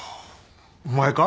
お前か？